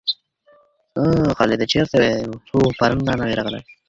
څه وخت خصوصي سکتور نخودي هیواد ته راوړي؟